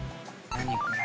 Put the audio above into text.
何これ？